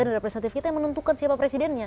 dan representatif kita yang menentukan siapa presidennya